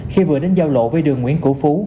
khi vừa đến giao lộ với đường nguyễn củ phú